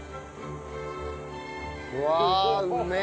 うわうめえ。